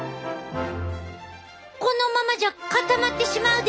このままじゃ固まってしまうで！